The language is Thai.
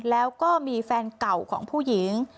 แล้วก็มีแฟนเก่าของผู้หญิง